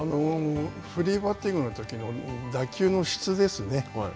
フリーバッティングのときの打球の質ですね。